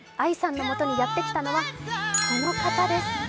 ＡＩさんのもとにやって来たのはこの方です。